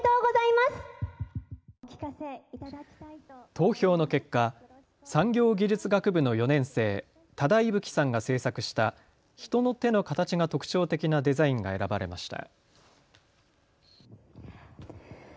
投票の結果、産業技術学部の４年生、多田伊吹さんが制作した人の手の形が特徴的なデザインが選ばれました。